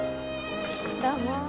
どうも。